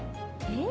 え？